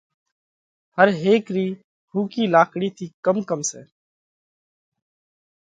هر هيڪ رِي ۿُوڪِي لاڪڙِي ٿِي ڪم ڪم سئہ؟